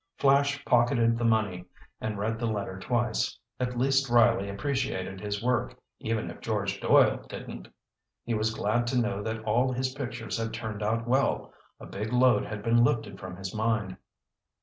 Flash pocketed the money and read the letter twice. At least Riley appreciated his work even if George Doyle didn't! He was glad to know that all his pictures had turned out well. A big load had been lifted from his mind.